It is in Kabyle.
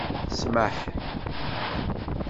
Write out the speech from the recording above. Smaḥ...